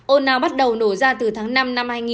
ôn nào bắt đầu nổ ra từ tháng năm năm hai nghìn hai mươi một